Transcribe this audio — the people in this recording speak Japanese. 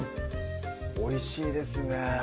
おいしいですね